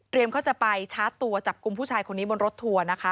เตรียมเขาจะไปชาร์จตัวจับกุมผู้ชายคนนี้บนรถถัว